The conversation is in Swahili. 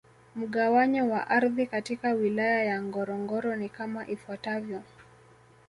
Mgawanyo wa ardhi katika Wilaya ya Ngorongoro ni kama ifuatavyo